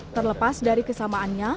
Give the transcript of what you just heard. terlepas dari kesamaannya